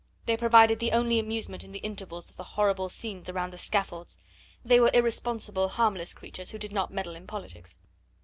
They provided the only amusement in the intervals of the horrible scenes around the scaffolds; they were irresponsible, harmless creatures who did not meddle in politics.